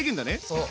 そう。